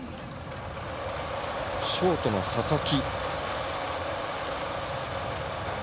ショートの佐々木。